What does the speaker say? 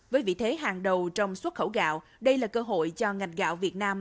với vị thế hàng đầu trong xuất khẩu gạo đây là cơ hội cho ngành gạo việt nam